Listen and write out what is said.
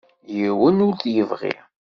Yiwen ur t-yebɣi.